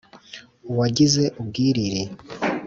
uwagize u bwiriri